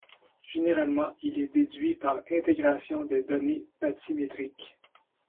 Généralement, il est déduit par intégration des données bathymétriques.